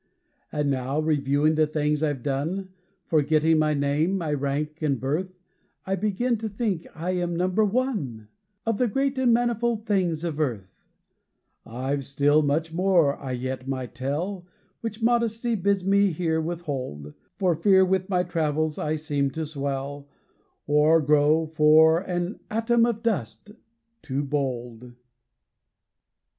And now, reviewing the things I've done, Forgetting my name, my rank and birth, I begin to think I am number ONE, Of the great and manifold things of earth. I've still much more, I yet might tell, Which modesty bids me here withhold; For fear with my travels I seem to swell, Or grow, for an ATOM OF DUST, too bold!